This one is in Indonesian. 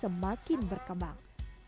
dan juga membuat kondisi semakin berkembang